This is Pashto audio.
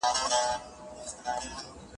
ستا په همدومره ښایسته مهربانۍ باندې ایمان راوړی.